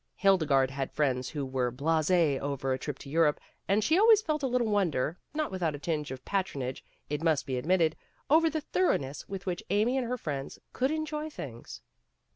Hildegarde had friends who were blase over a trip to Europe, and she always felt a little wonder, not without a tinge of patronage it must be admitted, over the thoroughness with which Amy and her friends could enjoy things.